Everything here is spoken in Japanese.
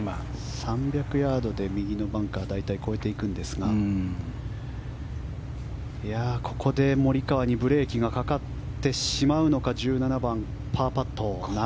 ３００ヤードで右のバンカー大体越えていくんですがここでモリカワにブレーキがかかってしまうのか１７番、パーパット。